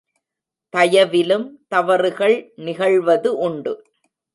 தயவிலும் தவறுகள் நிகழ்வது உண்டு.